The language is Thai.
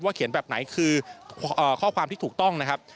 เขียนแบบไหนคือข้อความที่ถูกต้องนะครับ